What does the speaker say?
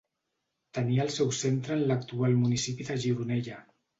Tenia el seu centre en l'actual municipi de Gironella.